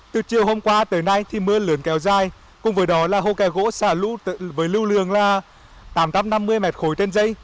từ chiều hôm qua tới nay thì mưa lớn kéo dài cùng với đó là hô kè gỗ xả lũ với lưu lường là tám trăm năm mươi m khối trên dây